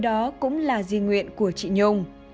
đó cũng là di nguyện của chị nhung